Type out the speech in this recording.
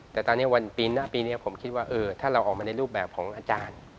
แต่ตอนนี้ปีนี้ผมคิดว่าถ้าเราออกมาในรูปแบบของอาจารย์